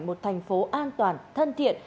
một thành phố an toàn thân thiện